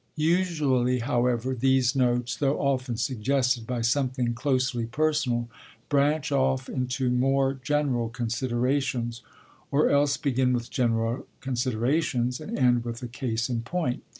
Usually, however, these notes, though often suggested by something closely personal, branch off into more general considerations; or else begin with general considerations, and end with a case in point.